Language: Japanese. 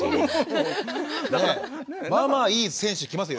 まあまあいい選手来ますよ